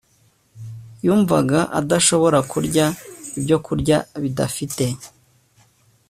yumvaga adashobora kurya ibyokurya bidafite